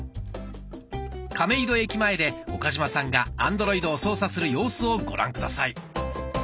亀戸駅前で岡嶋さんがアンドロイドを操作する様子をご覧下さい。